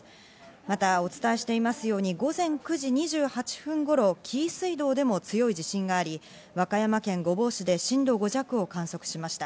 またお伝えしていますように午前９時２８分頃、紀伊水道でも強い地震があり、和歌山県御坊市で震度５弱を観測しました。